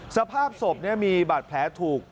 สภาพศพมีบาดแผลถูก